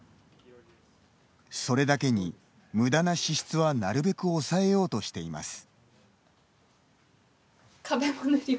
それだけに、むだな支出はなるべく抑えようとしています。